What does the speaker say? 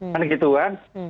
kan gitu kan